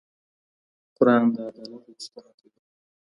قرآن د عدالت غوښتنه کوي.